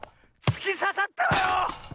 つきささったわよ！